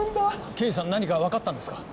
刑事さん何か分かったんですか？